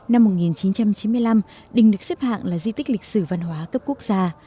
năm một nghìn chín trăm chín mươi năm đình được xếp hạng là di tích lịch sử văn hóa cấp quốc gia